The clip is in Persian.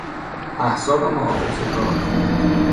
احزاب محافظهکار